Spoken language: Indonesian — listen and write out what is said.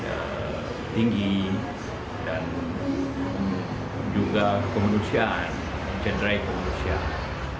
kriminal yang sangat tinggi dan juga kekemanusiaan cenderai kekemanusiaan